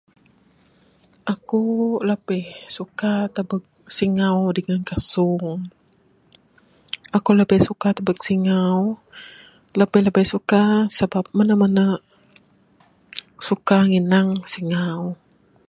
Aku labih suka tubek singau dangan kasung...aku labih suka tubek singau labih labih suka sabab mene mene suka nginang singau.